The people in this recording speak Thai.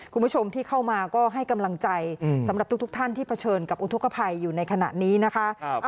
คุณผู้ชมที่เข้ามาก็ให้กำลังใจสำหรับทุกท่านที่เผชิญกับอุทธกภัยอยู่ในขณะนี้นะคะ